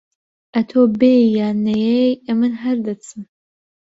ئەتوو بێی یان نەهێی، ئەمن هەر دەچم.